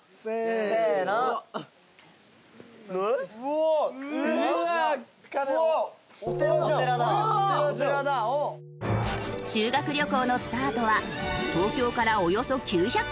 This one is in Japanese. うわあ！修学旅行のスタートは東京からおよそ９００キロ